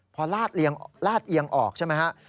พอลาดเอียงออกใช่ไหมฮะ